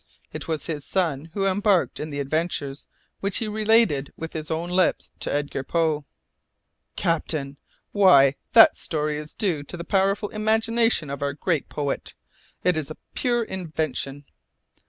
It was his son who embarked in the adventures which he related with his own lips to Edgar Poe " "Captain! Why, that story is due to the powerful imagination of our great poet. It is a pure invention."